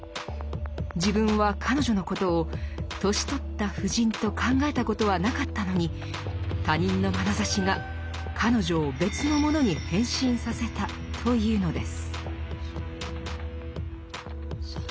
自分は彼女のことを年取った婦人と考えたことはなかったのに「他人の眼ざしが彼女を別の者に変身させた」というのです。